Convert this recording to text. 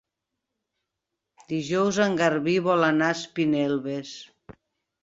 Dijous en Garbí vol anar a Espinelves.